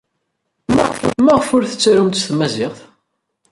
Maɣef ur t-tettarumt s tmaziɣt?